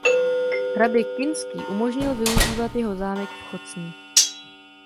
Hrabě Kinský umožnil využívat jeho zámek v Chocni.